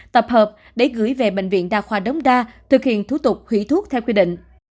tập hợp để gửi về bệnh viện đa khoa đống đa thực hiện thủ tục hủy thuốc theo quy định